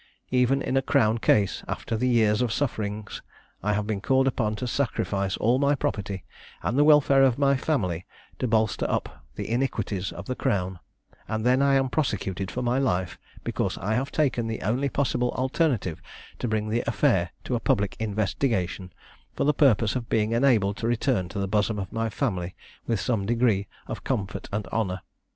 Even in a Crown case, after the years of sufferings, I have been called upon to sacrifice all my property, and the welfare of my family, to bolster up the iniquities of the Crown; and then am prosecuted for my life, because I have taken the only possible alternative to bring the affair to a public investigation, for the purpose of being enabled to return to the bosom of my family with some degree of comfort and honour.